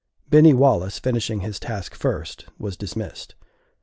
Binny Wallace finishing his task first, was dismissed.